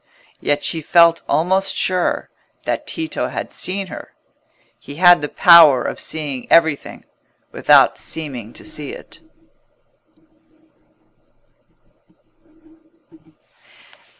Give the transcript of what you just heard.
Yet she felt almost sure that Tito had seen her; he had the power of seeing everything without seeming to see it.